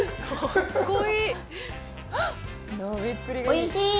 おいしい。